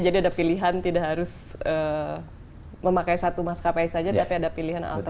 jadi ada pilihan tidak harus memakai satu maskapai saja tapi ada pilihan alternatif